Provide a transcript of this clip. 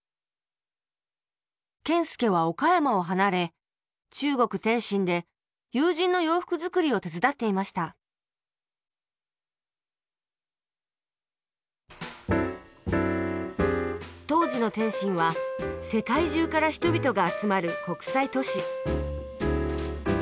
謙介は岡山を離れ中国・天津で友人の洋服作りを手伝っていました当時の天津は世界中から人々が集まる国際都市